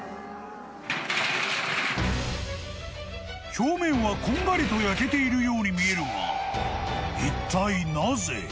［表面はこんがりと焼けているように見えるが］